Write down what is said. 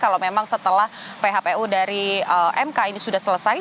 kalau memang setelah phpu dari mk ini sudah selesai